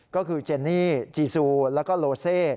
ก็คือเจนนี่จีซูแล้วก็โลเซ